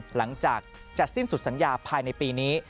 หลังจากจะสิ้นสุดสัญญาภายในปีนี้